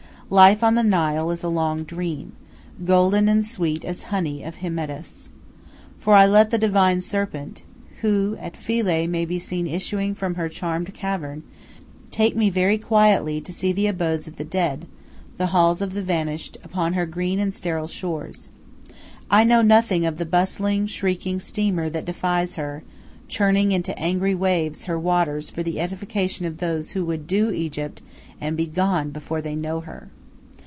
Life on the Nile is a long dream, golden and sweet as honey of Hymettus. For I let the "divine serpent," who at Philae may be seen issuing from her charmed cavern, take me very quietly to see the abodes of the dead, the halls of the vanished, upon her green and sterile shores. I know nothing of the bustling, shrieking steamer that defies her, churning into angry waves her waters for the edification of those who would "do" Egypt and be gone before they know her.